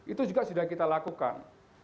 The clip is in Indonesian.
itu juga sudah kita lakukan